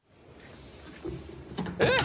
えっ！？